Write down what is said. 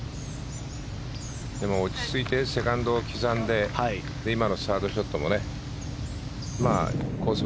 でも、落ち着いてセカンドを刻んで今のサードショットもねコース